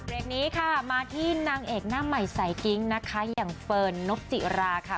เรียกนี้ค่ะมาที่นางเอกหน้าใหม่สายกิ๊งนะคะอย่างเฟิร์นนกจิราค่ะ